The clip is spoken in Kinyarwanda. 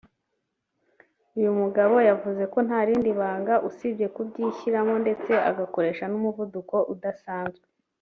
uyu mugabo yavuze ko nta rindi banga usibye kubyishyiramo ndetse agakoresha n’umuvuduko udasanzwe